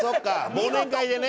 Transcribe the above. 忘年会でね。